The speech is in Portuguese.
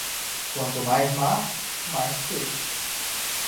Quanto mais mar, mais peixe.